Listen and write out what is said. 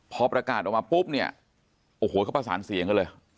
พอประกาศออกมาปุ๊บเนี่ยโอ้โหเขาประสานเสียงกันเลย